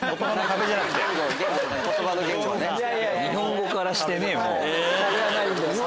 日本語からしてねもう。